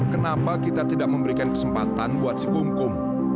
kenapa kita tidak memberikan kesempatan buat si gungkung